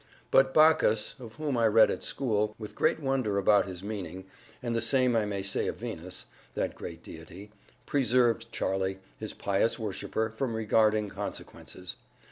But Bacchus (of whom I read at school, with great wonder about his meaning and the same I may say of Venus), that great deity, preserved Charlie, his pious worshiper, from regarding consequences.